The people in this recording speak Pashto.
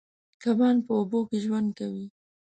کبان په اوبو کې ژوند کوي.